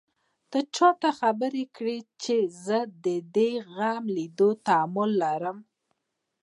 ته چا خبره کړې چې زه د دې غم ليدو تحمل لرم.